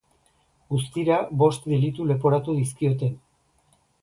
Guztira, bost delitu leporatu dizkiote.